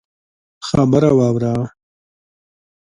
خبره واوره!